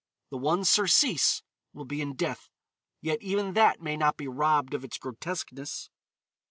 The one surcease will be in death. Yet even that may not be robbed of its grotesqueness."